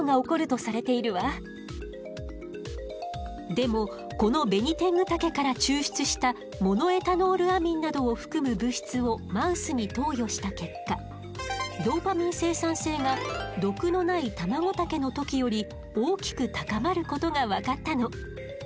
でもこのベニテングタケから抽出したモノエタノールアミンなどを含む物質をマウスに投与した結果ドーパミン生産性が毒のないタマゴタケの時より大きく高まることが分かったの。